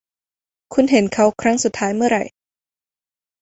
คุณเห็นเขาครั้งสุดท้ายเมื่อไหร่